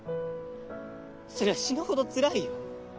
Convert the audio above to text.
そりゃ死ぬほどつらいよ